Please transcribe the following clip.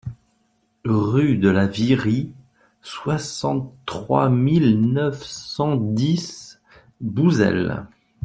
Rue de la Virie, soixante-trois mille neuf cent dix Bouzel